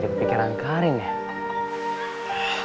oh kayanya dia nikah